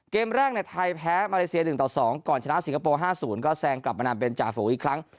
เกมแรกในไทยแพ้มาเลเซีย๑ต่อ๒ก่อนชนะสิงคโปร์๕๐ก็แซงกลับมานำเป็นจ่าฝูอีกครั้ง